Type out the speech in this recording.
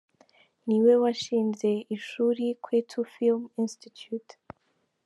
Ni we washinze ishuri Kwetu Film Institute.